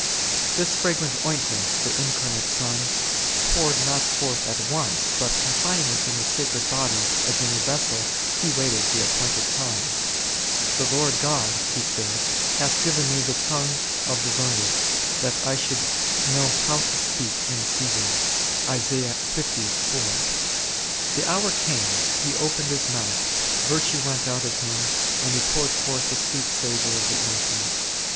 This fragrant ointment the Incarnate Son poured not forth at once, but confining it in His sacred body as in a vessel, He waited the appointed time ; The Lord God, He saith, hath given Me the tongue of the learned, that I should know how to speak in season*. The hour came, He opened His mouth, virtue went out of Him, and He poured forth the sweet savour of the ointment.